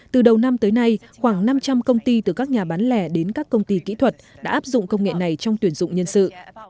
từ đầu năm tới nay khoảng năm trăm linh công ty từ các nhà bán lẻ đến các công ty kỹ thuật đã áp dụng công nghệ này trong tuyển dụng nhân sự